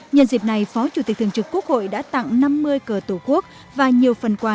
nhân dịp này phó chủ tịch thường trực quốc hội đã tặng năm mươi cờ tổ quốc và nhiều phần quà